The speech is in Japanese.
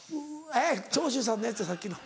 長州さんのやつやさっきの。